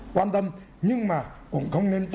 quan tâm nhưng mà cũng không nên